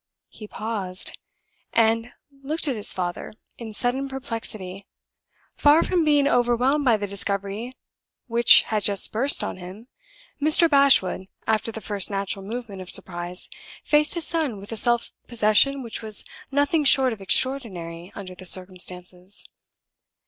He paused, and looked at his father in sudden perplexity. Far from being overwhelmed by the discovery which had just burst on him, Mr. Bashwood, after the first natural movement of surprise, faced his son with a self possession which was nothing short of extraordinary under the circumstances.